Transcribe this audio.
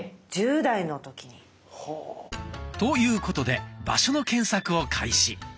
１０代の時に。ということで場所の検索を開始。